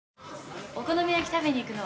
お好み焼き食べに行くの。